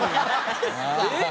えっ？